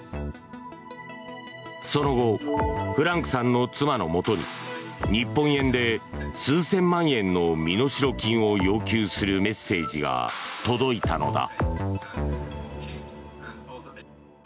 その後フランクさんの妻のもとに日本円で数千万円の身代金を要求するメッセージが届いたのだ。